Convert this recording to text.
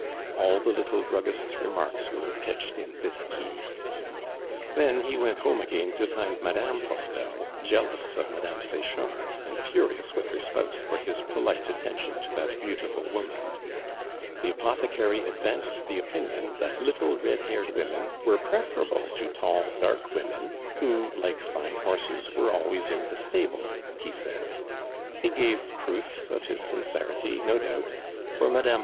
all the little druggist's remarks were pitched in this key. Then he went home again to find Mme. Postel jealous of Mme. Sechard, and furious with her spouse for his polite attention to that beautiful woman. The apothecary advanced the opinion that little red haired women were preferable to tall, dark women, who, like fine horses, were always in the stable, he said. He gave proofs of his sincerity, no doubt, for Mme.